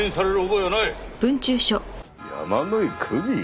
山井久美？